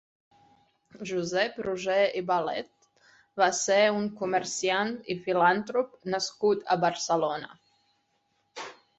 Josep Roger i Balet va ser un comerciant i filàntrop nascut a Barcelona.